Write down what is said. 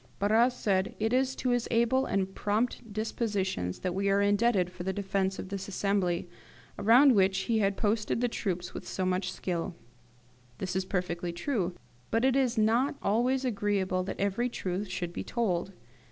Barras said, "It is to his able and prompt dispositions that we are indebted for the defence of this assembly, around which he had posted the troops with so much skill." This is perfectly true, but it is not always agreeable that every truth should be told.